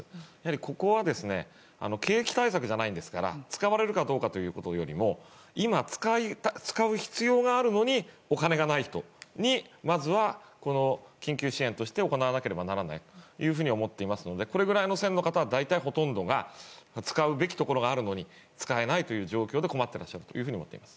ここは景気対策じゃないんですから使わないということよりも今、使う必要があるのにお金がない人にまず、緊急支援として行わなければいけないと思っていますのでこれぐらいの線の方は大体ほとんどが使うべきところがあるのに使えないという状況で困ってらっしゃると思っています。